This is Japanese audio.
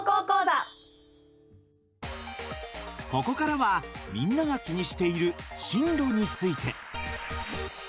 ここからはみんなが気にしている進路について。